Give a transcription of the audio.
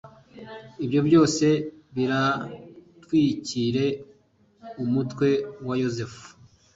ibyo byose biratwikire umutwe wa yozefu